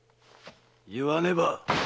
言わねば！